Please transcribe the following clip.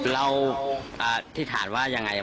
เราทิศาสตร์ว่ายังไงครับ